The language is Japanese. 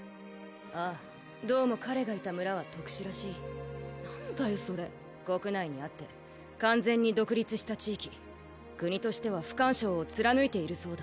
ああどうも彼がいた村は特殊らしい何だよそれ国内にあって完全に独立した地域国としては不干渉を貫いているそうだ